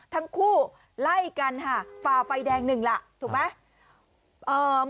ทั้งคู่ไล่กันค่ะฝ่าไฟแดงหนึ่งล่ะถูกไหม